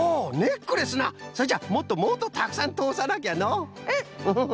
それじゃもっともっとたくさんとおさなきゃのう！うん！フフフ。